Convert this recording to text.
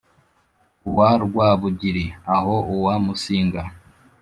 uwa rwábugiri aho uwa músinga